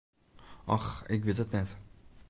Och, ik wit it net.